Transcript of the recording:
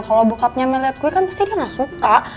kalo bokapnya mel liat gue kan pasti dia gak suka